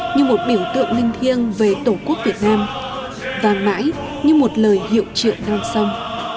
như một biểu tượng linh thiêng về tổ quốc việt nam và mãi như một lời hiệu trượng non sông